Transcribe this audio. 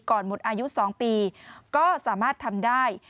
หมดอายุ๒ปีก็สามารถทำได้